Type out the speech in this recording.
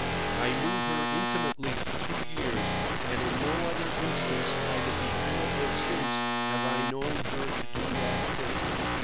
I knew her intimately for two years, and in no other instance either before or since have I known her to do that thing.